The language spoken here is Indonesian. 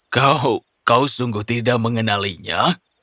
kau kau sungguh tidak mengenalinya